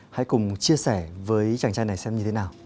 hãy cùng chia sẻ với chàng trai này xem như thế nào